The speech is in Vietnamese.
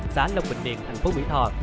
xá long bình điện thành phố mỹ tho